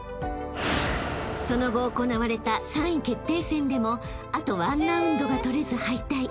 ［その後行われた３位決定戦でもあと１ラウンドが取れず敗退］